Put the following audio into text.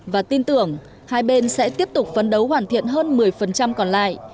và tin tưởng hai bên sẽ tiếp tục phấn đấu hoàn thiện hơn một mươi còn lại